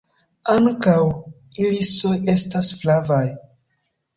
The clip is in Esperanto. Ankaŭ irisoj estas flavaj.